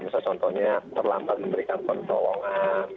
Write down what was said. misal contohnya terlambat memberikan pertolongan gitu ya